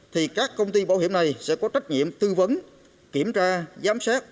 thì các công ty bảo hiểm này sẽ có trách nhiệm tư vấn kiểm tra giám sát